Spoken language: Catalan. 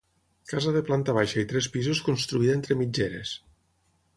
Casa de planta baixa i tres pisos construïda entre mitgeres.